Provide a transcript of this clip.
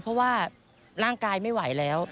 เพราะว่าร่างกายไม่ไหวแล้ว